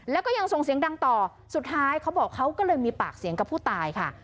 แล้วก็ยังส่งเสียงดังต่อสุดท้ายเขาบอกเขาก็เลยมีปากเสียงกับผู้ตายค่ะ